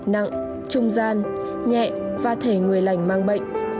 nặng trung gian nhẹ và thể người lành mang bệnh